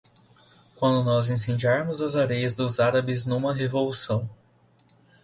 Quando nós incendiarmos as areias dos árabes numa revolução